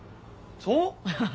そう？